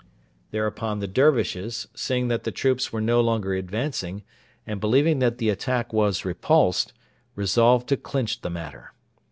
Thereupon the Dervishes, seeing that the troops were no longer advancing, and believing that the attack was repulsed, resolved to clinch the matter.